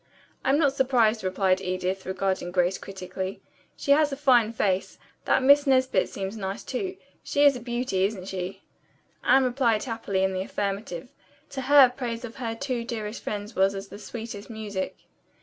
"I'm not surprised," replied Edith, regarding Grace critically. "She has a fine face. That Miss Nesbit seems nice, too. She is a beauty, isn't she?" Anne replied happily in the affirmative. To her praise of her two dearest friends was as the sweetest music.